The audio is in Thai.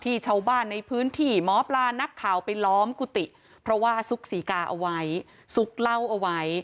ชาวบ้านในพื้นที่หมอปลานักข่าวไปล้อมกุฏิเพราะว่าซุกศรีกาเอาไว้ซุกเหล้าเอาไว้